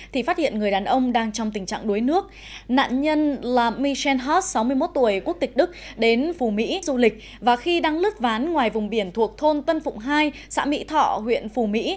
thì phát hiện người đàn ông đang trong tình trạng đuối nước nạn nhân là michel has sáu mươi một tuổi quốc tịch đức đến phù mỹ du lịch và khi đang lướt ván ngoài vùng biển thuộc thôn tân phụng hai xã mỹ thọ huyện phù mỹ